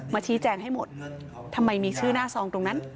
ชี้แจงให้หมดทำไมมีชื่อหน้าซองตรงนั้น